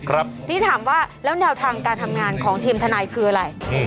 ทีนี้ถามว่าแล้วแนวทางการทำงานของทีมทนายคืออะไร